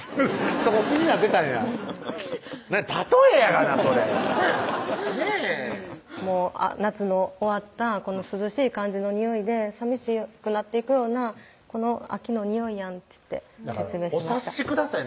そこ気になってたんや例えやがなそれねぇ「夏の終わったこの涼しい感じのにおいでさみしくなっていくようなこの秋のにおいやん」っていってお察しください